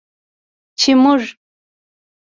چې موږ